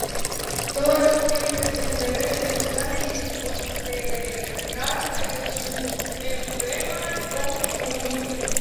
Todo Leo tiene el deber de usar y ostentar su emblema con orgullo.